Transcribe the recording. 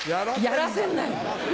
やらせんなよ！